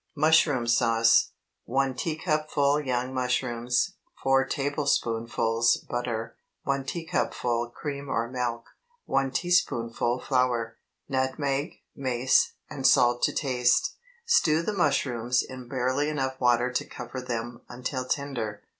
MUSHROOM SAUCE. 1 teacupful young mushrooms. 4 tablespoonfuls butter. 1 teacupful cream or milk. 1 teaspoonful flour. Nutmeg, mace, and salt to taste. Stew the mushrooms in barely enough water to cover them until tender.